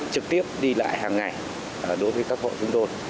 trực tiếp đi lại hàng ngày đối với các hội tuyên đôn